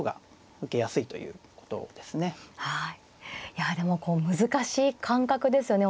いやでもこう難しい感覚ですよね。